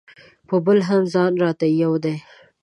په بل هم ځان راته یو دی.